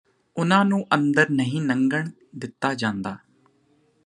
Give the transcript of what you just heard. ਉਨ੍ਹਾਂ ਨੂੰ ਅੰਦਰ ਨਹੀਂ ਨੰਘਣ ਦਿੱਤਾ ਜਾਂਦਾ